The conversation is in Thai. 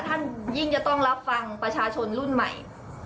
ท่านยิ่งจะต้องรับฟังประชาชนรุ่นใหม่